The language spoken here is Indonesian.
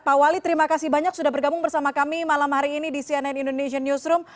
pak wali terima kasih banyak sudah bergabung bersama kami malam hari ini di cnn indonesian newsroom